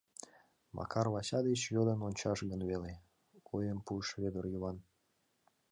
— Макар Вася деч йодын ончаш гын веле, — ойым пуыш Вӧдыр Йыван.